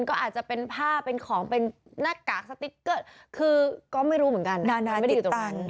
ก็อาจจะเป็นผ้าเป็นของเป็นหน้ากากคือก็ไม่รู้เหมือนกันนานานาจิตต่าง